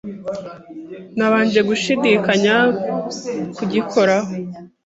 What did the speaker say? nabanje gushidikanya kugikoraho,